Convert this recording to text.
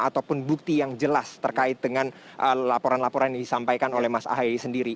ataupun bukti yang jelas terkait dengan laporan laporan yang disampaikan oleh mas ahy sendiri